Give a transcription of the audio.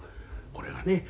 これがね。